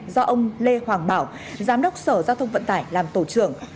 do ông lê hoàng bảo giám đốc sở giao thông vận tải làm tổ trưởng